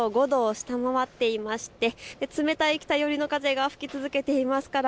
５度を下回っていまして冷たい北寄りの風が吹き続けています。